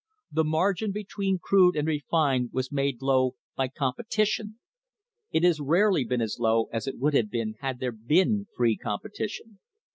The margin between crude and refined was made low by competition. It has rarely been as low as it would have been had there been free competition.